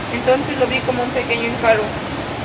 Entonces lo vi como un pequeño encargo.